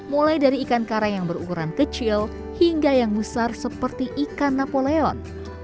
mulai dari ikan karang yang berukuran kecil hingga yang besar seperti ikan napoleon